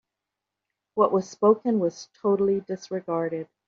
What was spoken was totally disregarded.